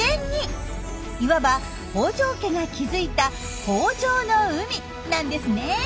いわば北条家が築いた豊饒の海なんですね。